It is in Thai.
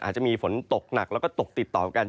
อาจจะมีฝนตกหนักแล้วก็ตกติดต่อกัน